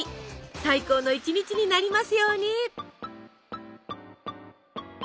最高の一日になりますように！